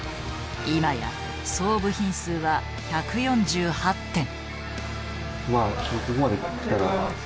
今や総部品数は１４８点。